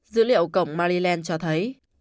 dữ liệu cộng maryland cho thấy